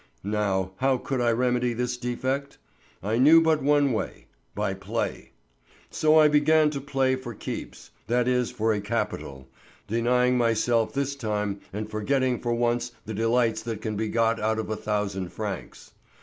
Now how could I remedy this defect? I knew but one way—by play. So I began to play for keeps, that is for a capital, denying myself this time and forgetting for once the delights that can be got out of a thousand francs.